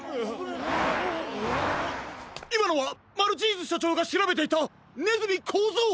いまのはマルチーズしょちょうがしらべていたねずみこうぞう！